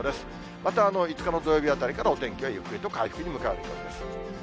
また５日の土曜日あたりから、お天気がゆっくりと回復に向かいます。